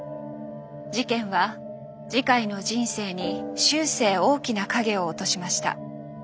事件は慈海の人生に終生大きな影を落としました。